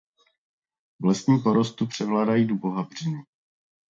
V lesním porostu převládají dubohabřiny.